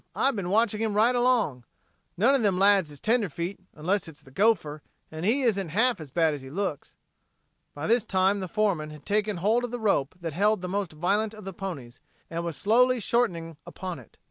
I've been watching him right along. None of them lads is tenderfeet, unless it's the gopher, and he isn't half as bad as he looks." By this time the foreman had taken hold of the rope that held the most violent of the ponies, and was slowly shortening upon it.